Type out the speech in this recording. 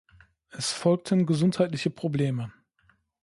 Es folgten gesundheitliche Probleme.